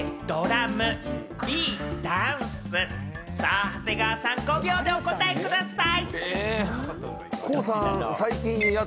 さあ、長谷川さん、５秒でお答えください。